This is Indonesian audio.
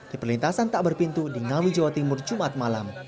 di perlintasan tak berpintu di ngawi jawa timur jumat malam